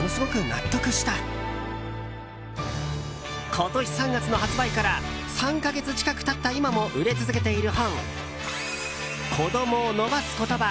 今年３月の発売から３か月近く経った今も売れ続けている本「子どもを伸ばす言葉